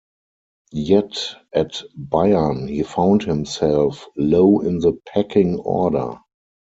Yet at Bayern he found himself low in the pecking order.